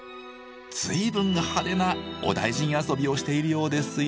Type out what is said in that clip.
随分派手な「お大尽遊び」をしているようですよ。